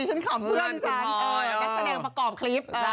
ฉันขำเพื่อนที่ช้านแสดงประกอบคลิป